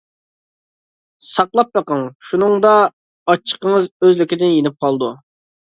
ساقلاپ بېقىڭ، شۇنىڭدا ئاچچىقىڭىز ئۆزلۈكىدىن يېنىپ قالىدۇ.